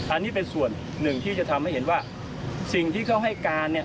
อันนี้เป็นส่วนหนึ่งที่จะทำให้เห็นว่าสิ่งที่เขาให้การเนี่ย